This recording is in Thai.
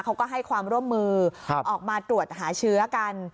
เขาก็ให้ความร่วมมือออกมาตรวจหาเชื้อกัน